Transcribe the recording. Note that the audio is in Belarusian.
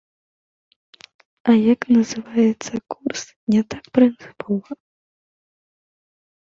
А як называецца курс, не так прынцыпова.